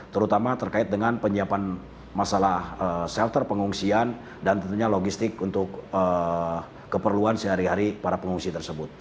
terutama terkait dengan penyiapan masalah shelter pengungsian dan tentunya logistik untuk keperluan sehari hari para pengungsi tersebut